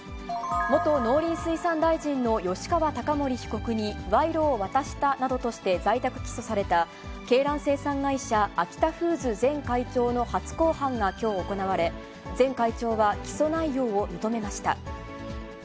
元農林水産大臣の吉川貴盛被告に賄賂を渡したなどとして在宅起訴された、鶏卵生産会社、アキタフーズ前会長の初公判がきょう行われ、前会長は起訴内容を認めました。